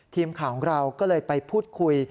ทีมข่าวของเราก็เลยไปพูดคุย